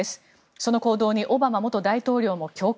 その行動にオバマ元大統領も共感。